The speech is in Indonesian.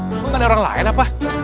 emang ada orang lain apa